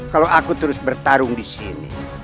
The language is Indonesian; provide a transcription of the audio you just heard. kalau aku terus bertarung di sini